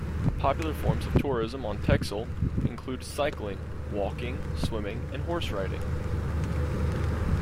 Popular forms of tourism on Texel include cycling, walking, swimming and horse riding.